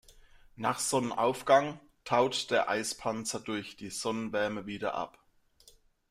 Nach Sonnenaufgang taut der Eispanzer durch die Sonnenwärme wieder ab.